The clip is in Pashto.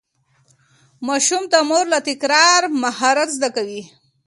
ماشوم د مور له تکرار مهارت زده کوي.